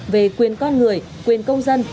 về quyền con người quyền công dân